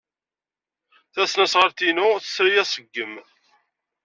Tasnasɣalt-inu tesri aṣeggem.